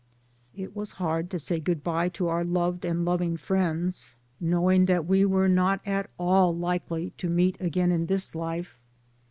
It was hard to say good bye to our loved and loving friends, knowing that we were not at all likely to meet again in this life.